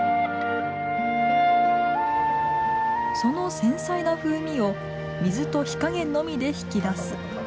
その繊細な風味を水と火加減のみで引き出す。